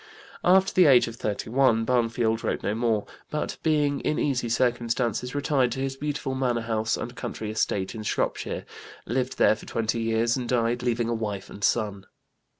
After the age of 31 Barnfield wrote no more, but, being in easy circumstances, retired to his beautiful manor house and country estate in Shropshire, lived there for twenty years and died leaving a wife and son.